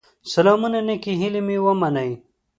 سلامونه نيکي هيلي مي ومنئ